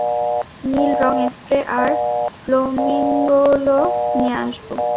নীল রং, স্প্রে আর ফ্লেমিঙ্গোগুলো নিয়ে আসবো।